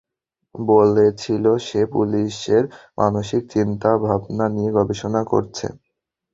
বলেছিল, সে পুলিশের মানসিক চিন্তা ভাবনা নিয়ে গবেষণা করছে।